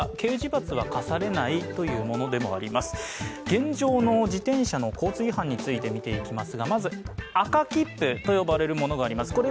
現状の自転車の交通違反について見ていきます。